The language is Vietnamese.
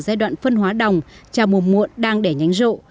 ở giai đoạn phân hóa đồng trà mùa muộn đang đẻ nhánh rộ